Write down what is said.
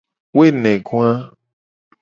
Woenegoa.